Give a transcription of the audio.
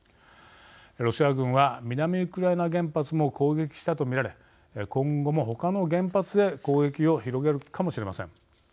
ロシア軍は南ウクライナ原発も攻撃したと見られ今後も他の原発へ攻撃を広げるかもしれません。